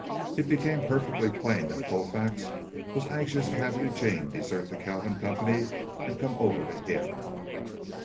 It became perfectly plain that Colfax was anxious to have Eugene desert the Kalvin Company and come over to him.